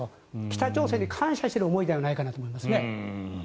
北朝鮮に感謝してる思いではないかと思います。